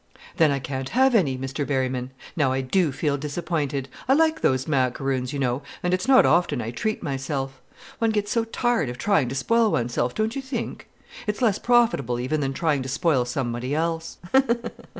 "Then I can't have any, Mr Berryman. Now I do feel disappointed. I like those macaroons, you know, and it's not often I treat myself. One gets so tired of trying to spoil oneself, don't you think? It's less profitable even than trying to spoil somebody else."